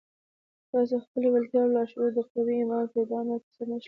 تاسې خپله لېوالتیا او لاشعور د قوي ايمان په اډانه کې سره نښلوئ.